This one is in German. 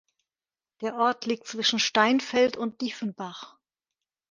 Der Ort liegt zwischen Steinfeld und Diefenbach.